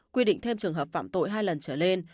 quy định thêm trường hợp phạm tội hai lần trở lên